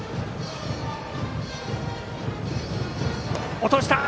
落とした！